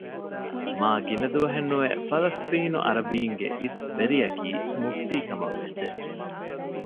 މާގިނަ ދުވަހެއް ނުވެ ފަލަސްޠީނު އަރަބީންގެ އިސްވެރިއަކީ މުފްތީކަމަށް ވެއްޖެ